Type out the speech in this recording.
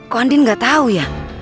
kok andin gak tau ya